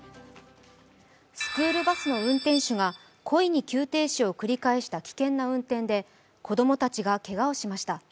スクールバスの運転手が故意に急停止を繰り返した危険な運転で子供たちがけがをしました。